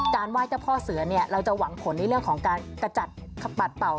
ไหว้เจ้าพ่อเสือเนี่ยเราจะหวังผลในเรื่องของการกระจัดปัดเป่า